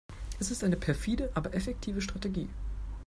Es ist eine perfide, aber effektive Strategie.